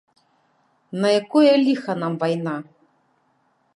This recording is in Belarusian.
На якое ліха нам вайна?